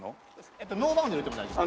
ノーバウンドで入れても大丈夫です。